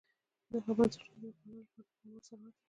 دغو بنسټونو د واکمنانو لپاره د پام وړ ثروت تولیداوه